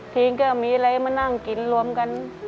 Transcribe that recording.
ทีก็มีอะไรมานั่งกินรวมกัน